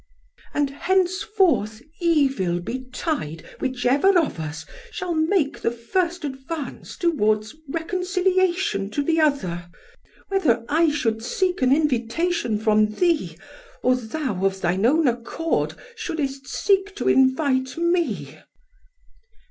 And henceforth evil betide whichever of us shall make the first advance towards reconciliation to the other; whether I should seek an invitation from thee, or thou of thine own accord shouldest seek to invite me."